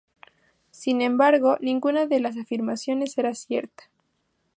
Sin embargo, ninguna de las afirmaciones era cierta.